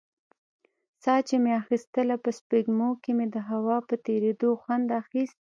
ساه چې مې اخيستله په سپږمو کښې مې د هوا په تېرېدو خوند اخيست.